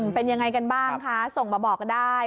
เป็นยังไงกันบ้างคะส่งมาบอกกันได้